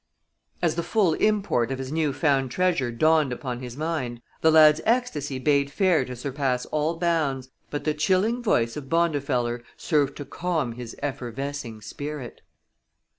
_" As the full import of his new found treasure dawned upon his mind, the lad's ecstasy bade fair to surpass all bounds, but the chilling voice of Bondifeller served to calm his effervescing spirit.